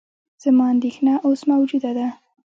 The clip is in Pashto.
زما اندېښنه اوس موجوده ده.